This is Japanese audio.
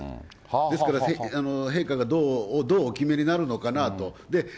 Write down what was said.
ですから、陛下がどうお決めになるのかなと。